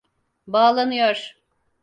Bağlanıyor.